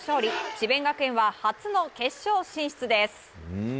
智弁学園は初の決勝進出です。